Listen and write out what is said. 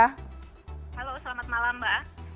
halo selamat malam mbak